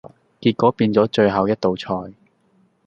結果變左最後一道菜